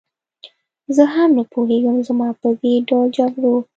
زه هم نه پوهېږم، زما په دې ډول جګړو.